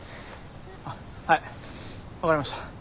はい分かりました。